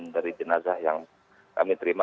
dari jenazah yang kami terima